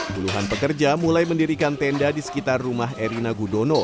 puluhan pekerja mulai mendirikan tenda di sekitar rumah erina gudono